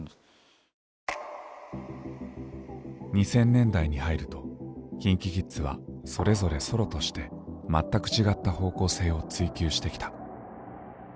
２０００年代に入るとＫｉｎＫｉＫｉｄｓはそれぞれソロとして全く違った方向性を追求してきた。